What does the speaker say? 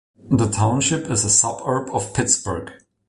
The township is a suburb of Pittsburgh.